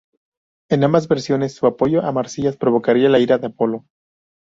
En ambas versiones, su apoyo a Marsias provocaría la ira de Apolo.